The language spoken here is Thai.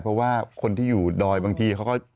เพราะว่าคนที่อยู่ดอยบางทีเขาก็